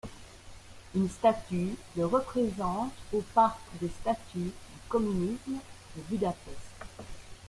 Une statue le représente au parc des statues du communisme, de Budapest.